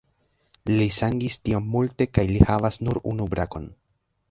Li sangis tiom multe kaj li havas nur unu brakon.